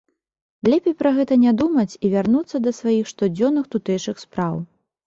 Лепей пра гэта не думаць і вярнуцца да сваіх штодзённых тутэйшых спраў.